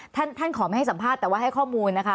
ท่านขอไม่ให้สัมภาษณ์แต่ว่าให้ข้อมูลนะคะ